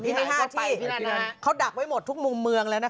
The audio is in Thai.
ที่๕ที่เขาดักไว้หมดทุกมุมเมืองแล้วนะคะ